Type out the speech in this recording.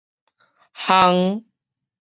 烘